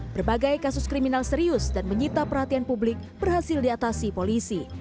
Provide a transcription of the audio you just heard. berbagai kasus kriminal serius dan menyita perhatian publik berhasil diatasi polisi